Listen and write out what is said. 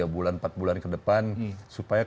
tiga bulan empat bulan ke depan supaya